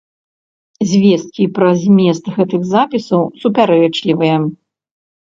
Звесткі пра змест гэтых запісаў супярэчлівыя.